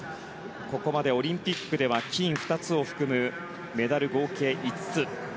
ここまでオリンピックでは金２つを含むメダル合計５つ。